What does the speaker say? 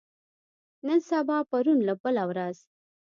نن سبا پرون بله ورځ